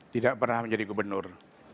tidak pernah menjadi gubernur